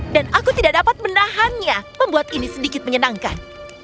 dan aku tidak dapat menahannya membuat ini sedikit menyenangkan